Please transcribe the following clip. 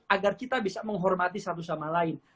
agar kita bisa menghormati satu sama lain